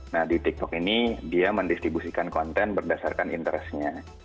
nah di tiktok ini dia mendistribusikan konten berdasarkan interestnya